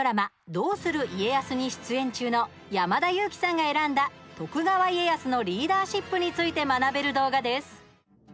「どうする家康」に出演中の山田裕貴さんが選んだ徳川家康のリーダーシップについて学べる動画です。